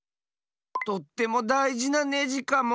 とってもだいじなネジかも。